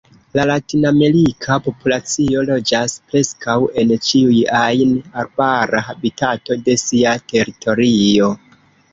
La latinamerika populacio loĝas preskaŭ en ĉiuj ajn arbara habitato de sia teritorio.